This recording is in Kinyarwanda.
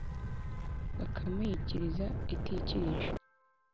bakame yikiriza itikirije.